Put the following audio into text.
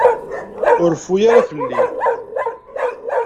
Ur reffu ara fell-i.